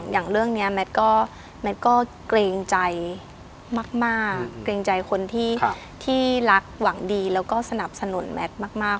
อย่างเรื่องนี้แมทก็เกรงใจมากเกรงใจคนที่รักหวังดีแล้วก็สนับสนุนแมทมาก